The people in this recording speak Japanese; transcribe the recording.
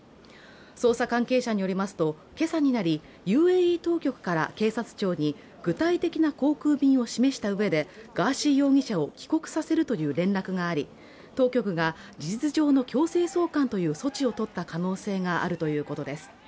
捜査関係者によりますと、今朝になり、ＵＡＥ当局から警察庁に具体的な航空便を示した上でガーシー容疑者を帰国させるという連絡があり当局が事実上の強制送還という措置を取った可能性があるということです。